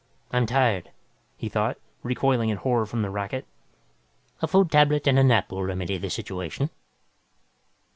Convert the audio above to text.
I'm tired, he thought, recoiling in horror from the racket. A food tablet and a nap will remedy the situation.